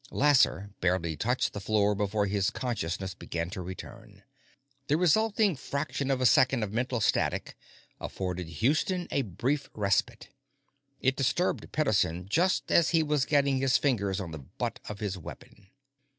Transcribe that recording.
Lasser barely touched the floor before his consciousness began to return. The resulting fraction of a second of mental static afforded Houston a brief respite; it disturbed Pederson just as he was getting his fingers on the butt of his weapon.